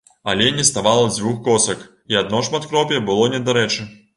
Але не ставала дзвюх косак і адно шматкроп'е было недарэчы.